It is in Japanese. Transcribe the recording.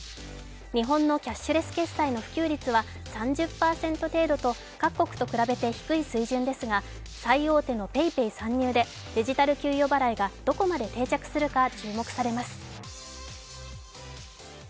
日本のキャッシュレス決済の普及率は３０％程度と各国と比べて低い水準ですが、最大手のＰａｙＰａｙ参入でデジタル給与払いがどこまで定着するか注目されます。